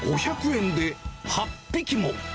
５００円で８匹も。